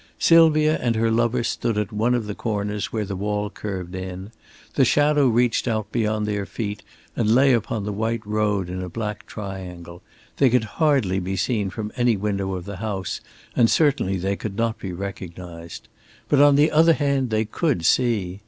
Sylvia and her lover stood at one of the corners where the wall curved in; the shadow reached out beyond their feet and lay upon the white road in a black triangle; they could hardly be seen from any window of the house, and certainly they could not be recognized. But on the other hand they could see.